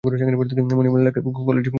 মানিমেগলাইকে কলেজে দেখেছো?